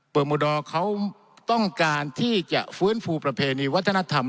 โมดอร์เขาต้องการที่จะฟื้นฟูประเพณีวัฒนธรรม